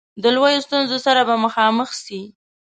د لویو ستونزو سره به مخامخ سي.